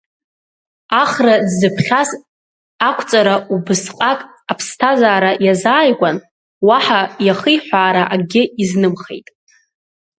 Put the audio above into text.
Ахра дзыԥхьаз ақәҵара убысҟак аԥсҭазаара иазааигәан, уаҳа иахиҳәаара акгьы изнымхеит.